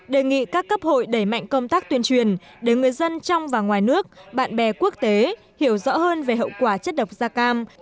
đề nghị các cấp hội đẩy mạnh công tác tuyên truyền để người dân trong và ngoài nước bạn bè quốc tế hiểu rõ hơn về hậu quả chất độc da cam